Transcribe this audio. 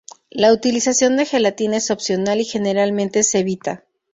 La utilización de gelatina es opcional, y generalmente se evita.